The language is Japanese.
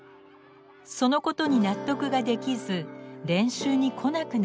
そのことに納得ができず練習に来なくなりました。